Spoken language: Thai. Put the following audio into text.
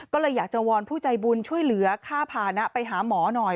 ก็เลยอยากจะวอนผู้ใจบุญช่วยเหลือค่าพานะไปหาหมอหน่อย